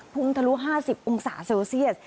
งทะลุ๕๐องศาเซลเซียส